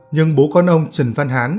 nhưng bố con ông trần văn hán